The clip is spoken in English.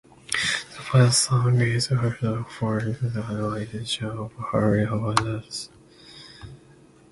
The fight song is Hoorah for Eagles a rendition of Hooray for Auburn!!